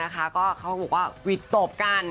ก็เขาก็บอกว่าวิดตกกัน